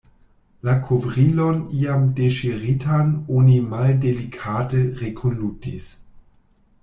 La kovrilon iam deŝiritan oni maldelikate rekunlutis.